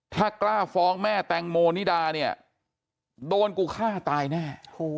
ถ้ากล้าฟ้องแม่แตงโมนิดาเนี่ยโดนกูฆ่าตายแน่